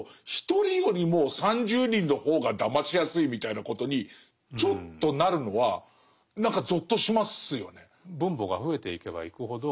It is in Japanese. １人よりも３０人の方がだましやすいみたいなことにちょっとなるのは何かぞっとしますよね。